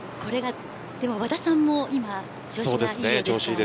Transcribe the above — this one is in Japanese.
和田さんも今調子がいいですからね。